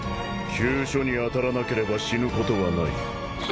急所に当たらなければ死ぬことはない。